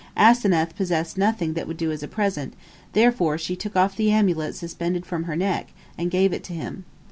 Asenath possessed nothing that would do as a present, therefore she took off the amulet suspended from her neck, and gave it to him.